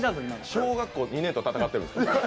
小学校２年と戦ってるんですか？